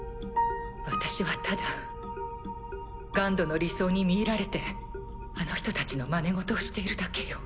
私はただＧＵＮＤの理想に魅入られてあの人たちのまね事をしているだけよ。